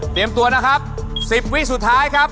ตัวนะครับ๑๐วิสุดท้ายครับ